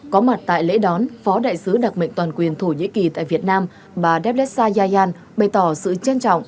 có mặt tại lễ đón phó đại sứ đặc mệnh toàn quyền thổ nhĩ kỳ tại việt nam bà devessayaan bày tỏ sự trân trọng